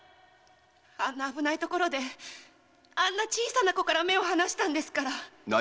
あんな危ない所であんな小さな子から目を離したのですから〕